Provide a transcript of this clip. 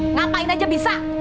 ngapain aja bisa